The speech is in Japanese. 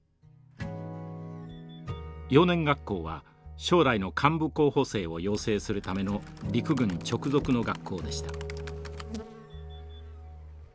幼年学校は将来の幹部候補生を養成するための陸軍直属の学校でした。